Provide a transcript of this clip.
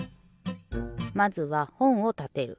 まずはほんをたてる。